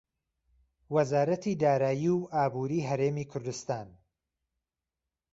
وەزارەتی دارایی و ئابووری هەرێمی کوردستان